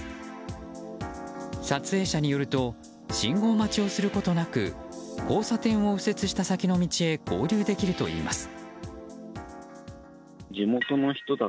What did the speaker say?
撮影者によると信号待ちをすることなく交差点を右折した先の道へ合流できるといいます。